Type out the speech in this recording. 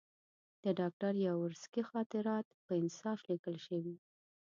د ډاکټر یاورسکي خاطرات په انصاف لیکل شوي.